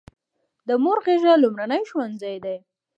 د مور غیږه لومړنی ښوونځی دی.